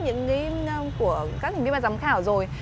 những ý của các thí nghiệm bài giám khảo rồi